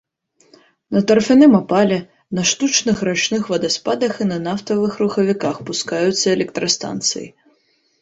На тарфяным апале, на штучных рачных вадаспадах і на нафтавых рухавіках пускаюцца электрастанцыі.